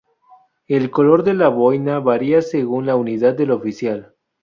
El color de la boina varía según la unidad del oficial.